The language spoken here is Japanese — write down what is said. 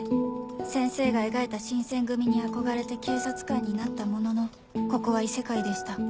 先生が描いた新選組に憧れて警察官になったもののここは異世界でした